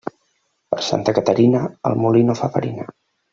Per Santa Caterina, el molí no fa farina.